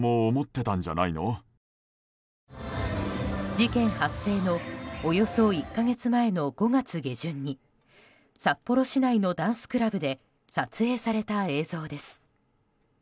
事件発生のおよそ１か月前の５月下旬に札幌市内のダンスクラブで撮影された映像です。